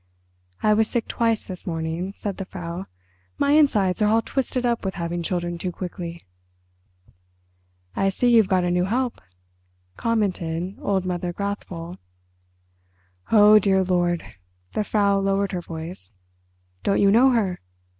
"I was sick twice this morning," said the Frau. "My insides are all twisted up with having children too quickly." "I see you've got a new help," commented old Mother Grathwohl. "Oh, dear Lord"—the Frau lowered her voice—"don't you know her?